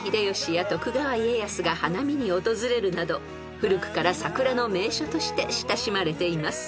［古くから桜の名所として親しまれています］